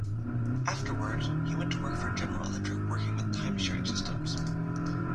Afterwards, he went to work for General Electric working with time sharing systems.